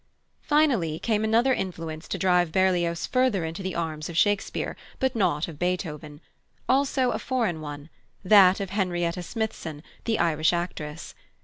Finally came another influence to drive Berlioz further into the arms of Shakespeare but not of Beethoven also a foreign one, that of Henrietta Smithson, the Irish actress.